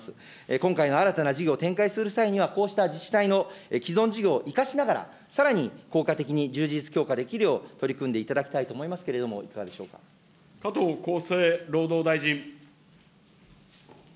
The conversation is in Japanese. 今回の新たな事業を展開する際には、こうした自治体の既存事業を生かしながら、さらに効果的に充実、強化できるよう取り組んでいただきたいと思いますけれども、いか加藤厚生労働大臣。